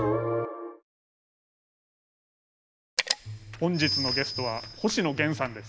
本日のゲストは星野源さんです。